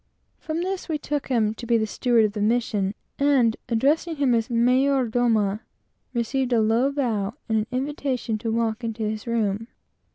From this, we took him to be the steward of the mission, and addressing him as "Mayordomo," received a low bow and an invitation to walk into his room.